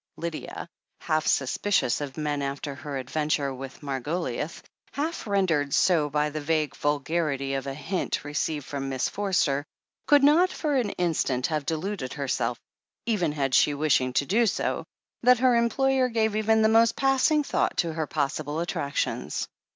Lydia, half suspicious of men after her adventure with Margoliouth, half rendered so by the vague vul garity of a hint received from Miss Forster, could not for an instant have deluded herself, even had she wished to do so, that her employer gave even the most passing thought to her possible attractions.